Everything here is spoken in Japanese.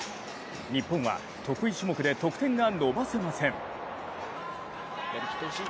日本は得意種目で得点が伸ばせません。